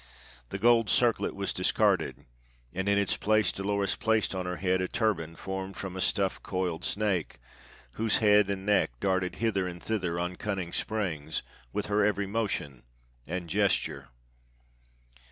The gold circlet was discarded, and in its place Dolores placed on her head a turban formed from a stuffed coiled snake, whose neck and head darted hither and thither on cunning springs with her every motion and gesture.